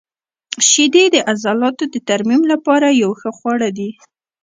• شیدې د عضلاتو د ترمیم لپاره یو ښه خواړه دي.